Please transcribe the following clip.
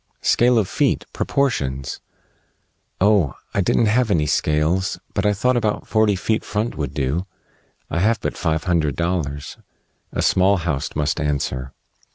"Scale of feet. Proportions." "Oh! I didn't have any scales, but I thought about forty feet front would do. I have but five hundred dollars. A small house must answer."